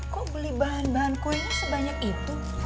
kok beli bahan bahan kuenya sebanyak itu